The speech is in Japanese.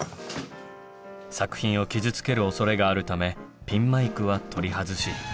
作品を傷つけるおそれがあるためピンマイクは取り外し。